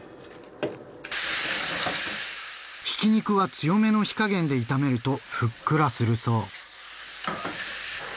ひき肉は強めの火加減で炒めるとふっくらするそう。